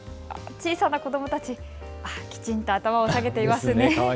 小さな子どもたち、きちんと頭を下げていますね。